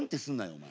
お前。